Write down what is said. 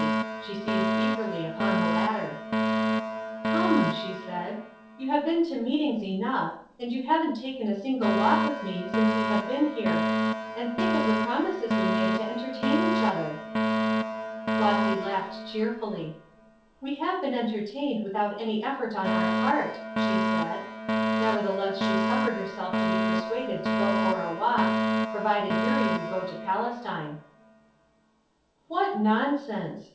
She seized eagerly upon the latter. "Come," she said, "you have been to meetings enough, and you haven't taken a single walk with me since we have been here, and think of the promises we made to entertain each other." Flossy laughed cheerfully. "We have been entertained, without any effort on our part," she said. Nevertheless she suffered herself to be persuaded to go for a walk, provided Eurie would go to Palestine. "What nonsense!"